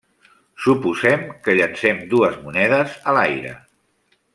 Suposem que llencem dues monedes a l'aire.